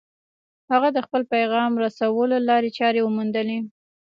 هغه د خپل پيغام رسولو لارې چارې وموندلې.